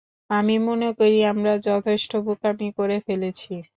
আমি মনে করি আমরা যথেষ্ট বোকামি করে ফেলেছি।